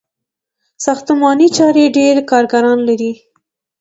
ساختماني چارې ډیر کارګران لري.